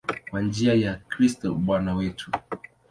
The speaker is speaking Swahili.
Kwa njia ya Kristo Bwana wetu.